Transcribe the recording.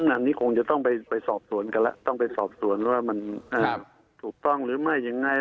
อันนี้คงจะต้องไปสอบสวนกันแล้วต้องไปสอบสวนว่ามันถูกต้องหรือไม่ยังไง